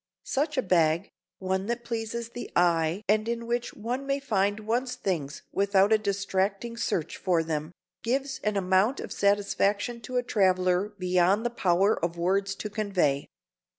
Such a bag, one that pleases the eye and in which one may find one's things without a distracting search for them, gives an amount of satisfaction to a traveler beyond the power of words to convey.